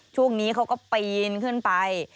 ช่วงนี้เขาก็ปีนขึ้นไป